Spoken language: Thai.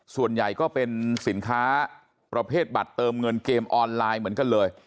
ส่วนใหญ่ก็เป็นสินค้าประเภทบัตรเติมเงินเกมออนไลน์เหมือนกันเลย